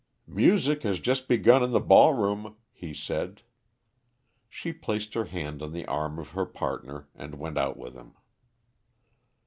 "Music has just begun in the ball room," he said. She placed her hand on the arm of her partner and went out with him.